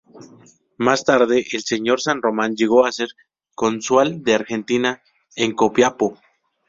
Más tarde el Sr. San Román llegó a ser Cónsul de Argentina en Copiapó.